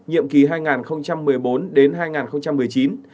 nhiệm kỳ hai nghìn một mươi bốn đến hai nghìn một mươi chín